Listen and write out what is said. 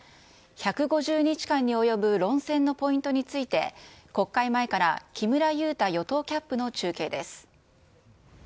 １５０日間に及ぶ論戦のポイントについて、国会前から木村祐太与党キャップの中継です。